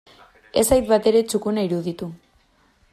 Ez zait batere txukuna iruditu.